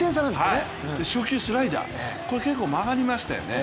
初球スライダー、これ結構曲がりましたよね。